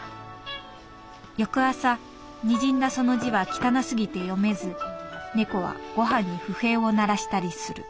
「翌朝にじんだその字は汚すぎて読めず猫はごはんに不平を鳴らしたりする」。